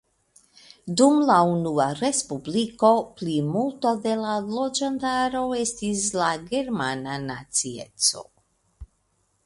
Dum la unua respubliko plimulto de la loĝantaro estis la germana nacieco.